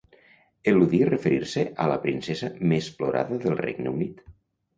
Eludí referir-se a la princesa més plorada del Regne Unit.